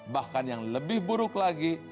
bahkan yang lebih buruk lagi